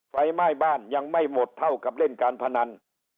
ไฟไหม้บ้านยังไม่หมดเท่ากับเล่นการพนัน